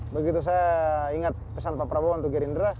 begitu saya ingat pesan pak prabowo untuk gerindra